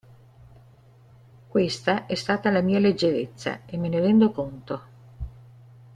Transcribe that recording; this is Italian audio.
Questa è stata la mia leggerezza, e me ne rendo conto".